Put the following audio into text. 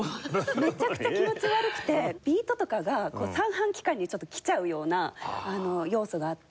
めちゃくちゃ気持ち悪くてビートとかが三半規管にちょっときちゃうような要素があって。